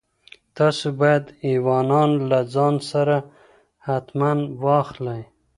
تاسو باید ایوانان له ځان سره حتماً واخلئ.